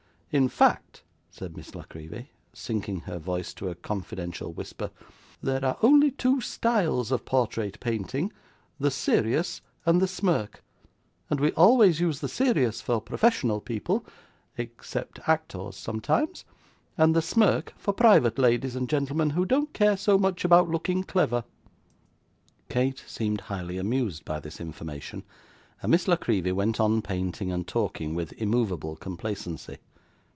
In fact,' said Miss La Creevy, sinking her voice to a confidential whisper, 'there are only two styles of portrait painting; the serious and the smirk; and we always use the serious for professional people (except actors sometimes), and the smirk for private ladies and gentlemen who don't care so much about looking clever.' Kate seemed highly amused by this information, and Miss La Creevy went on painting and talking, with immovable complacency.